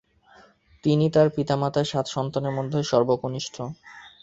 তিনি তার পিতামাতার সাত সন্তানের মধ্যে সর্বকনিষ্ঠ।